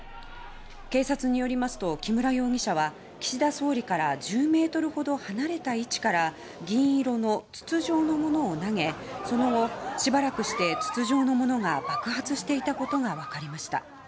警察によりますと木村容疑者は岸田総理から１０ｍほど離れた位置から銀色の筒状のものを投げその後、しばらくして筒状のものが爆発していたことが分かりました。